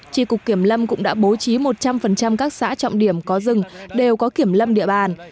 tri cục kiểm lâm cũng đã bố trí một trăm linh các xã trọng điểm có rừng đều có kiểm lâm địa bàn